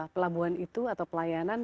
pelabuhan itu atau pelayanan